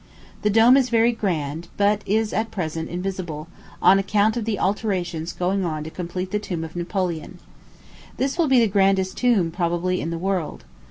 The dome is very grand, but is at present invisible, on account of the alterations going on to complete the tomb of Napoleon. This will be the grandest tomb, probably, in the world.